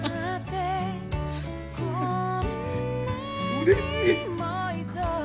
うれしい。